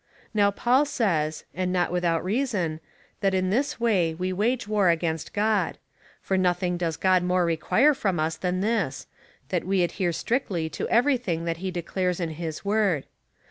Now Paul says, and not with out reason, that in this way we wage war against God ; for nothing does God more require from us than this — that we adhere strictly to everything that he declares in his word.